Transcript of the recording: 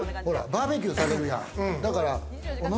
バーベキューされるやん。